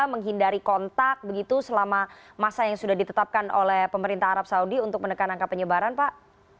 menghindari kontak begitu selama masa yang sudah ditetapkan oleh pemerintah arab saudi untuk menekan angka penyebaran pak